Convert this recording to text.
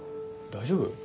大丈夫？